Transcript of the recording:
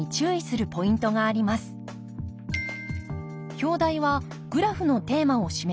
表題はグラフのテーマを示します。